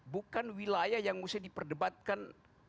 bukan wilayah yang mesti diperdebatkan